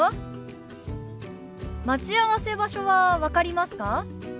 待ち合わせ場所は分かりますか？